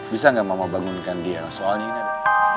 bisa nggak mama bangunkan dia soalnya ini ada